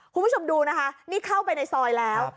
คุณผู้ชมดูนะคะนี่เข้าไปในซอยแล้ว